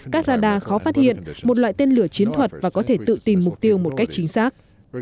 có radar khó phát hiện một loại tên lửa chiến hoạt và có thể tự tìm mục tiêu một cách chính xác